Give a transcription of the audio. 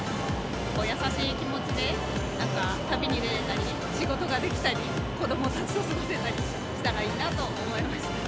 優しい気持ちで旅に出れたり、仕事ができたり、子どもたちと過ごせたりしたらいいなと思いました。